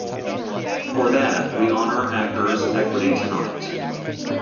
For that, we honor Actors' Equity tonight.